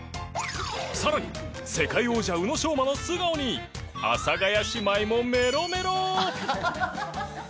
さらに世界王者宇野昌磨の素顔に阿佐ヶ谷姉妹もメロメロ！